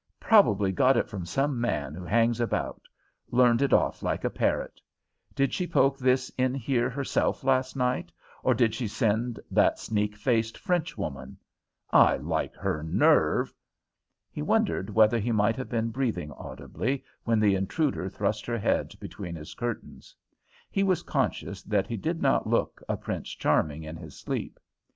Probably got it from some man who hangs about; learned it off like a parrot. Did she poke this in here herself last night, or did she send that sneak faced Frenchwoman? I like her nerve!" He wondered whether he might have been breathing audibly when the intruder thrust her head between his curtains. He was conscious that he did not look a Prince Charming in his sleep.